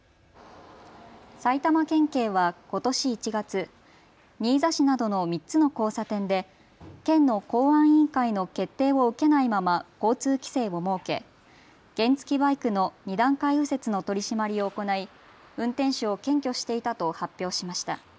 埼玉県警はことし１月、新座市などの３つの交差点で県の公安委員会の決定を受けないまま交通規制を設け原付バイクの２段階右折の取締りを行い運転手を検挙していたと発表しました。